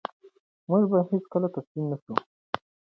موږ به هېڅکله تسلیم نه شو.